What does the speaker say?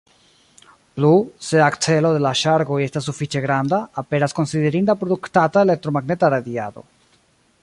Plu, se akcelo de la ŝargoj estas sufiĉe granda, aperas konsiderinda produktata elektromagneta radiado.